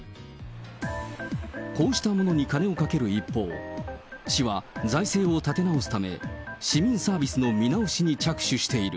こうしたものに金をかける一方、市は財政を立て直すため、市民サービスの見直しに着手している。